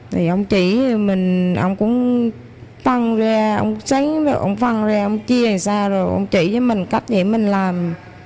thì ông chỉ ông cũng tăng ra ông xánh ông phăng ra ông chia làm sao rồi ông chỉ với mình cách để mình làm